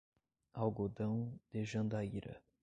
Algodão de Jandaíra